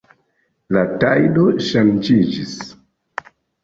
La tajdo ŝanĝiĝis.